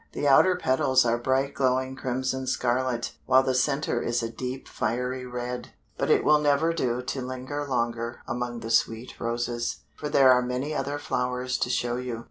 The outer petals are bright glowing crimson scarlet, while the center is a deep fiery red. But it will never do to linger longer among the sweet roses, for there are many other flowers to show you.